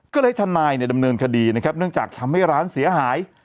ก็เลยให้ทนายเนี่ยดำเนินคดีนะครับเนื่องจากทำให้ร้านเสียหาย